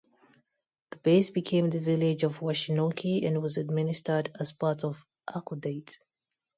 The base became the village of Washinoki, and was administered as part of Hakodate.